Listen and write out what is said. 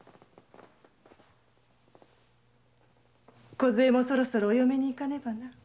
こずえもそろそろお嫁にいかねばな。